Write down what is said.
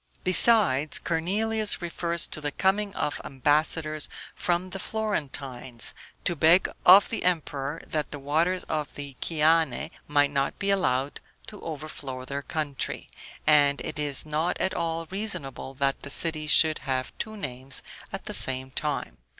Besides, Cornelius refers to the coming of ambassadors from the Florentines, to beg of the emperor that the waters of the Chiane might not be allowed to overflow their country; and it is not at all reasonable that the city should have two names at the same time.